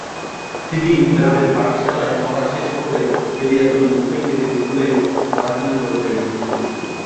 তিনি গ্রামের পাঠশালায় পড়া শেষ করে বেলিয়াতোড় মধ্য ইংরাজী স্কুলে পড়াশোনা করেছিলেন কিছুদিন।